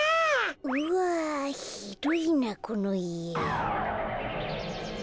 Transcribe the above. うわひどいなこのいえ。